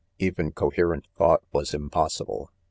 Even coherent thought was im possible.